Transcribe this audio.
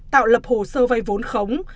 tạo lập hồ sơ vay vốn khống